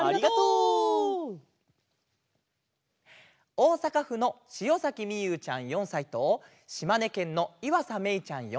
おおさかふのしおさきみゆうちゃん４さいとしまねけんのいわさめいちゃん４さいから。